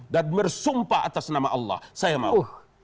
dan bersumpah atas nama allah saya mau